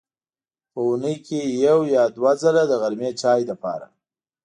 په اوونۍ کې یو یا دوه ځله د غرمې چای لپاره.